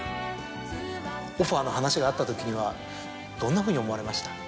オファーの話があったときにはどんなふうに思われました？